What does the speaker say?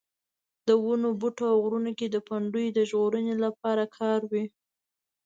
د ونو بوټو او غرونو کې د پنډیو د ژغورنې لپاره کاروي.